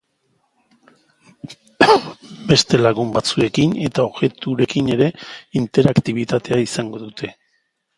Beste lagun batzuekin eta objekturekin ere interaktibitatea izango dute.